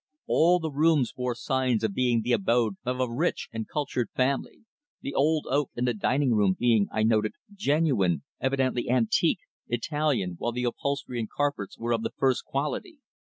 All the rooms bore signs of being the abode of a rich and cultured family, the old oak in the dining room being, I noted, genuine, evidently antique, Italian, while the upholstery and carpets were of the first quality.